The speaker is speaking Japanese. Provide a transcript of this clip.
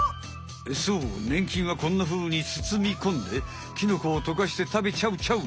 そうねん菌はこんなふうにつつみこんでキノコをとかして食べちゃうちゃう！